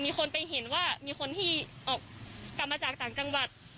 มีคนไปเห็นว่ามีคนที่ออกกลับมาจากต่างจังหวัด